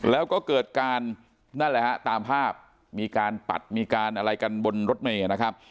แล้วก็เกิดการนั่นแหละฮะตามภาพมีการปัดมีการอะไรกันบนรถเมย์นะครับ